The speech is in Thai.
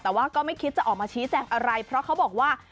แต่ว่าก็ไม่คิดจะออกมาชี้แจงอะไรเพราะเขาบอกว่า